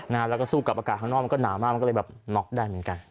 แล้วก็สู้กับอากาศข้างนอกมันก็หนาวมากมันก็เลยแบบน็อกได้เหมือนกัน